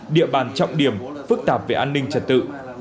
địa bàn trọng điểm phức tạp về an ninh trật tự